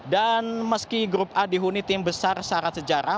dan meski grup a dihuni tim besar syarat sejarah